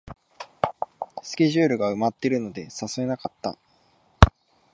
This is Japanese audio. スケジュールが埋まってるので誘えなかった